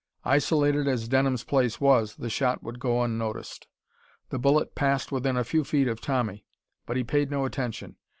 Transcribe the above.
Isolated as Denham's place was, the shot would go unnoticed. The bullet passed within a few feet of Tommy, but he paid no attention.